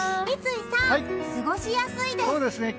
三井さん、過ごしやすいです。